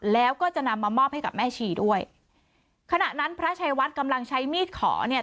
แล้วก็จะนำมามอบให้กับแม่ชีด้วยขณะนั้นพระชัยวัดกำลังใช้มีดขอเนี่ย